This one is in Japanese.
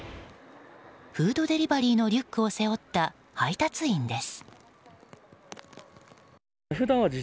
フードデリバリーのリュックを背負った配達員です。